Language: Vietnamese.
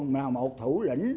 mà một thủ lĩnh